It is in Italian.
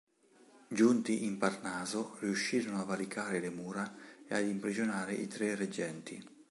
Giunti in Parnaso riuscirono a valicare le mura e ad imprigionare i tre reggenti.